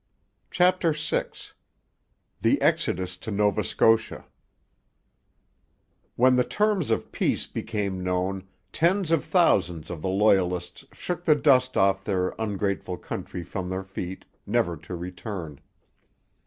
CHAPTER VI THE EXODUS TO NOVA SCOTIA When the terms of peace became known, tens of thousands of the Loyalists shook the dust of their ungrateful country from their feet, never to return.